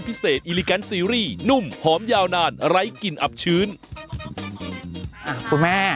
อิลิแกนซีรีส์นุ่มหอมยาวนานไร้กลิ่นอับชื้นอ่าคุณแม่